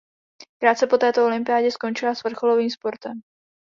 Krátce po této olympiádě skončila s vrcholovým sportem.